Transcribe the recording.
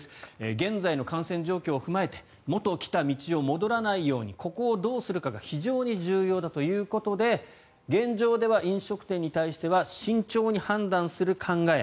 現在の感染状況を踏まえて元来た道を戻らないようにここをどうするかが非常に重要だということで現状では飲食店に対しては慎重に判断する考え。